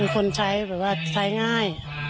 คนใช้แบบว่าใช้ง่าย